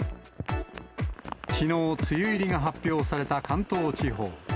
きのう梅雨入りが発表された関東地方。